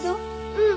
うん。